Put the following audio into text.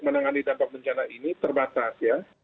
menangani dampak bencana ini terbatas ya